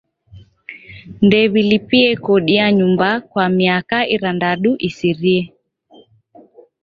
Ndew'ilipie kodi ya nyumba kwa miaka irandadu isirie.